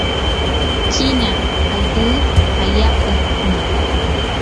china allquu allaapa piñam.